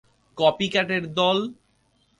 Copy ক্যাটের দল!